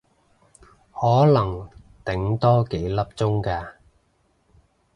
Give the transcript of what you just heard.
可能頂多幾粒鐘嘅